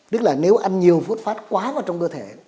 tức là nếu ăn nhiều phút phát quá vào trong cơ thể